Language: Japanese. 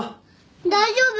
大丈夫？